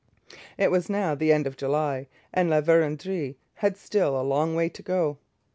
It was now the end of July, and La Vérendrye had still a long way to go.